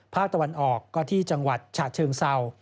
ภาคตะวันออกก็ที่จังหวัดฉะเชิงเศร้า